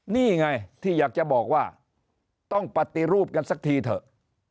นี่ไงที่อยากจะบอกว่าต้องปฏิรูปกันสักทีเถอะ